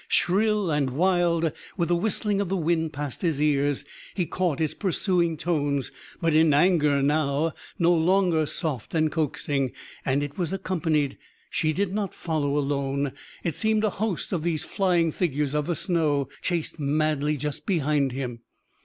Shrill and wild, with the whistling of the wind past his ears, he caught its pursuing tones; but in anger now, no longer soft and coaxing. And it was accompanied; she did not follow alone. It seemed a host of these flying figures of the snow chased madly just behind him.